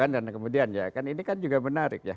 dan kemudian ya kan ini kan juga menarik ya